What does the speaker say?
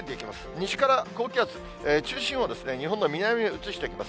西から高気圧、中心を日本の南へ移してきます。